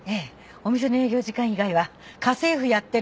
お店の営業時間以外は家政婦やってるの。